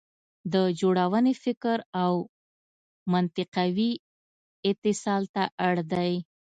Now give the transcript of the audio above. د جوړونې فکر او منطقوي اتصال ته اړ دی.